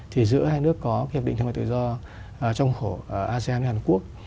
thì giữa hai nước có hiệp định thương mại tự do trong khổ asean hàn quốc